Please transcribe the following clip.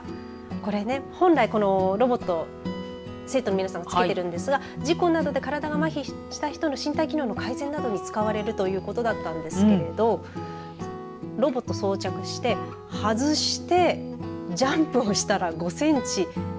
これね、本来このロボット生徒の皆さんつけているんですが事故などで体がまひした人の身体機能の改善などに使われるということだったんですけれどもロボット装着して、外してジャンプをしたら５センチ。